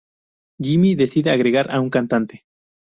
Jimmy decide agregar a un cantante.